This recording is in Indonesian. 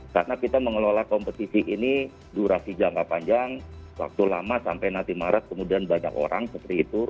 karena kita mengelola kompetisi ini durasi jangka panjang waktu lama sampai nanti maret kemudian banyak orang seperti itu